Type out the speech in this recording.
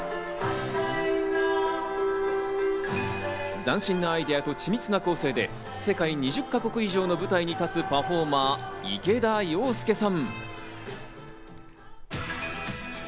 斬新なアイデアと緻密な構成で世界２０か国以上の舞台に立つパフォーマー・池田洋介さん。